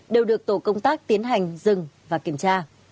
đều được tổ công tác tiến hành dừng và kiểm tra